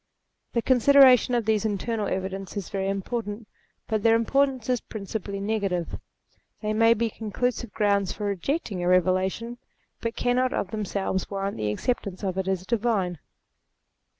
The consideration of these internal evidences is very important, but their importance is principally negative ; they may be conclusive grounds for re jecting a Eevelation, but cannot of themselves warrant the acceptance of it as divine.